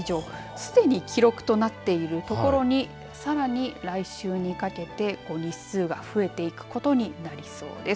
すでに記録となっているところにさらに来週にかけて日数が増えていくことになりそうです。